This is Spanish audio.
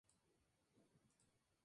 El plan fue aprobado en julio.